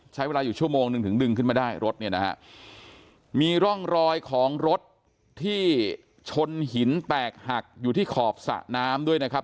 ใช้เวลาอยู่ชั่วโมงหนึ่งถึงดึงขึ้นมาได้รถเนี่ยนะฮะมีร่องรอยของรถที่ชนหินแตกหักอยู่ที่ขอบสระน้ำด้วยนะครับ